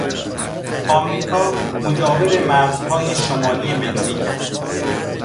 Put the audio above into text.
امریکا مجاور مرزهای شمالی مکزیک است.